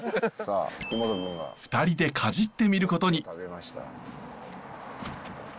２人でかじってみることに。